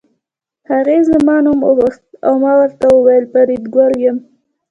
هغې زما نوم وپوښت او ما وویل فریدګل یم